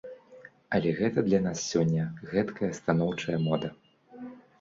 Але гэта для нас сёння гэткая станоўчая мода.